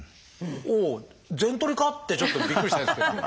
おお全取りか？ってちょっとびっくりしたんですけども。